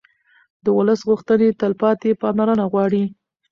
د ولس غوښتنې تلپاتې پاملرنه غواړي